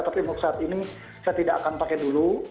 tapi untuk saat ini saya tidak akan pakai dulu